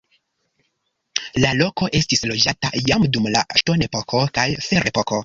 La loko estis loĝata jam dum la ŝtonepoko kaj ferepoko.